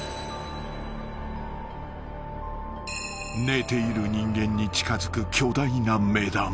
［寝ている人間に近づく巨大な目玉］